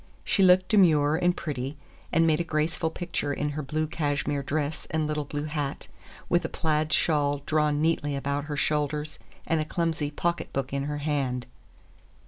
She looked demure and pretty, and made a graceful picture in her blue cashmere dress and little blue hat, with a plaid shawl drawn neatly about her shoulders and a clumsy pocketbook in her hand.